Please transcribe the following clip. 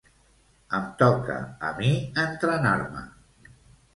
Em toca a mi entrenar-me.